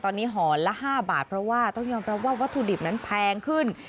ตอนนี้ห่อละ๕บาทเพราะว่าต้องยอมรับว่าวัตถุดิบนั้นแพงขึ้น